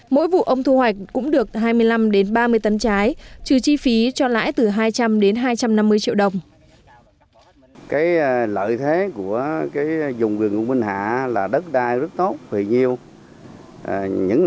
mỗi vụ ông thu hoạch cũng được hai mươi năm ba mươi tấn trái trừ chi phí cho lãi từ hai trăm linh đến hai trăm năm mươi triệu đồng